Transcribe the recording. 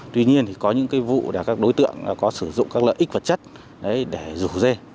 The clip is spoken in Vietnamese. tuy nhiên thì có những vụ là các đối tượng có sử dụng các lợi ích vật chất để rủ dê